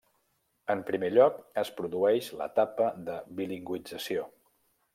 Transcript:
En primer lloc, es produeix l'etapa de bilingüització.